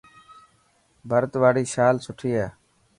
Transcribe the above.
ڀرت واري شال سٺي هي.